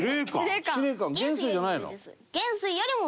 元帥じゃないの？